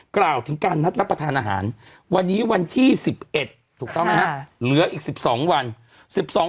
กล่าวถึงการณัดรับประธานอาหารวันที่๑๑เหลืออีก๑๒วัน